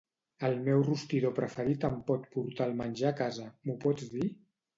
El meu rostidor preferit em pot portar el menjar a casa, m'ho pots dir?